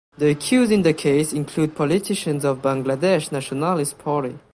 The accused in the case include politicians of Bangladesh Nationalist Party.